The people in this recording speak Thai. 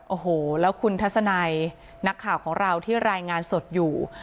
โอ้โหแล้วคุณทัศนัยนักข่าวของเราที่รายงานสดอยู่